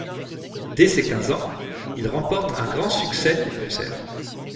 Dès ses quinze ans, il remporte un grand succès au concert.